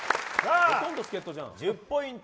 １０ポイント